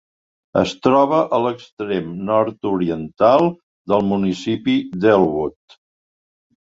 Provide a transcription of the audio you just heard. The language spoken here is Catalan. Es troba a l'extrem nord-oriental del municipi d'Elwood.